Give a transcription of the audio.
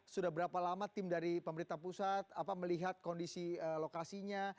sudah berapa lama tim dari pemerintah pusat melihat kondisi lokasinya